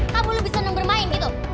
kamu lebih senang bermain gitu